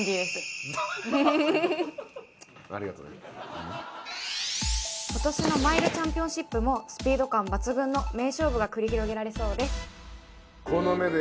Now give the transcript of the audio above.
あ今年のマイルチャンピオンシップもスピード感抜群の名勝負が繰り広げられそうです